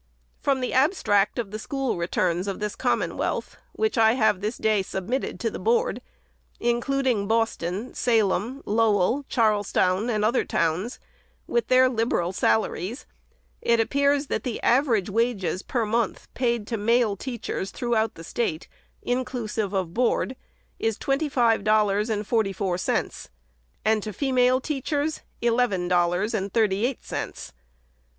From the Abstract of the School Returns of this Commonwealth (which I have this day submitted to the Board), includ ing Boston, Salem, Lowell, Charlestown, and other towns, with their liberal salaries, it appears that the average wages per month paid to male teachers throughout the State, inclusive of board, is twenty five dollars and forty four cents ; and to female teachers, eleven dollars and thirty eight cents.